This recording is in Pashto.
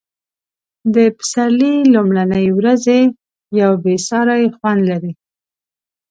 د پسرلي لومړنۍ ورځې یو بې ساری خوند لري.